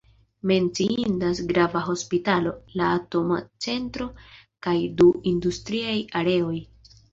Menciindas grava hospitalo, la atoma centro kaj du industriaj areoj.